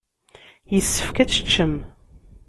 Yessefk ad teččem.